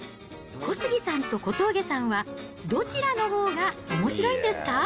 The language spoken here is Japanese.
小杉さんと小峠さんは、どちらのほうがおもしろいんですか？